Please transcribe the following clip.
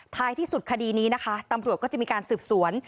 ท้ายที่สุดคดีนี้นะคะตำรวจก็จะมีการสืบสวน